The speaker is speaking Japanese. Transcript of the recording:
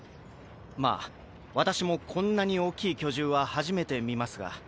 まあ私もこんなに大きい巨獣は初めて見ますが。